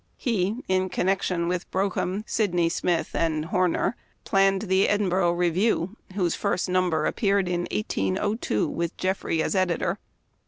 He, in connection with Brougham, Sidney Smith, and Horner, planned the Edinburgh Review, whose first number appeared in 1802, with Jeffrey as editor.